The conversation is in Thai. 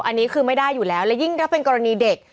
อันนี้คือไม่ได้อยู่แล้วและยิ่งถ้าเป็นกรณีเด็ก